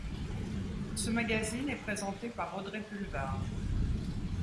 Ce magazine est présenté par Audrey Pulvar.